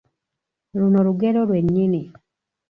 Luno lugero lwe nnyini.